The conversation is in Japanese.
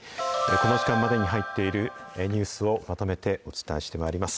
この時間までに入っているニュースをまとめてお伝えしてまいります。